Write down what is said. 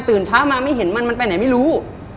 เช้ามาไม่เห็นมันมันไปไหนไม่รู้